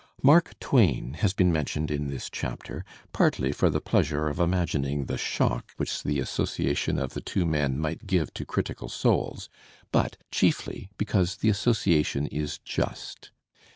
Jilark Twain has been mentioned in this chapter, partly for the pleasure of imagining the shock which the assodation Digitized by Google. WILLIAM JAMES 307 of the two men might give to critical souls, but chiefly ^ because the association is just.